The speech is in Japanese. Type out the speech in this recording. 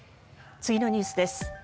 次のニュースです。